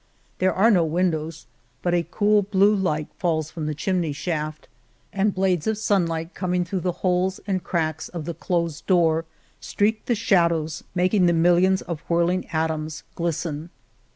There are no windows, but a cool blue light falls from the chimney shaft, and blades of sunlight coming through the holes and cracks of the closed door streak 70 The Cave of Montesinos the shadow, making the millions of whirling atoms glisten.